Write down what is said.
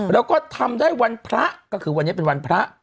แล้วก็ทำได้วันพระก็คือวันนี้เป็นวันพระ